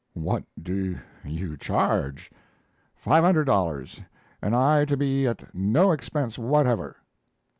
"What do you charge?" "Five hundred dollars, and I to be at no expense whatever."